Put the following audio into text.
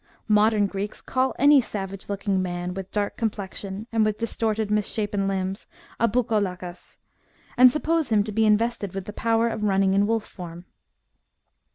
Modern Greeks call any savage looking man, with dark com plexion, and with distorted, misshapen limbs, a PpvicoXaKag, and suppose him to be invested with power of running in wolf form.